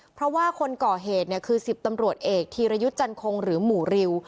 เพราะว่าคนก่อเหตุเนี่ยคือ๑๐ตำรวจเอกธีรยุทธ์จันคงหรือหมู่ริว